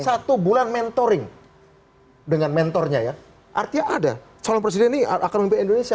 satu bulan mentoring dengan mentornya ya artinya ada calon presiden ini akan memimpin indonesia